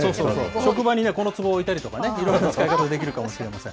職場にこのつぼを置いたりね、いろいろな使い方もできるかもしれません。